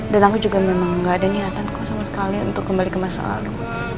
dan aku juga memang gak ada niatanku sama sekali untuk kembali ke masa lalu